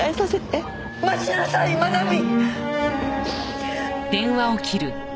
待ちなさい愛美！